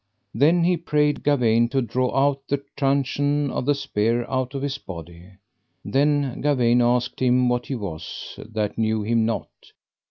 Then he prayed Gawaine to draw out the truncheon of the spear out of his body. Then Gawaine asked him what he was, that knew him not.